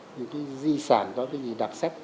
những cái di sản đó cái gì đặc sách